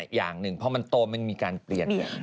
มาแล้วแต่คนอีกดึงดังเลยมั้ยคุณแม่เคยบอกมันแปลกมากเลยนะ